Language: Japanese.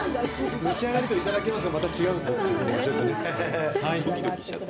「召し上がれ」と「いただきます」がまた違うんですね、ちょっとね。